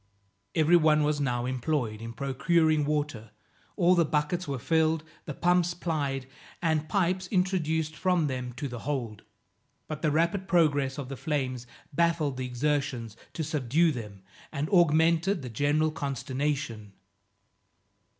Every one was now employed in procuring water; all the buckets were filled, the pumps plied, and pipes introduced from them to the hold. But the rapid progress of the flames baffled the exertions to subdue them, and augmented the general consternation.